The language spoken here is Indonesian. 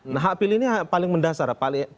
nah hak pilih ini paling mendasar